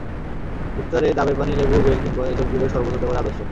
ইফতারে ডাবের পানি, লেবু, বেল কিংবা ইসবগুলের শরবত হতে পারে আদর্শ।